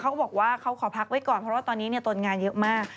เขาบอกว่าเขาขอพักไว้ก่อนเพราะว่าตอนนี้ตนงานเยอะมาก